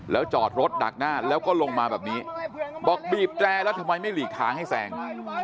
แล้วจอดรถดักหน้าแล้วก็ลงมาแบบนี้บอกบีบแตรแล้วทำไมไม่หลีกทางให้แซง